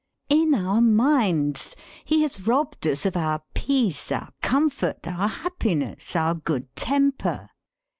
In our minds. He has robbed us of our peace, our comfort, our happiness, our good temper.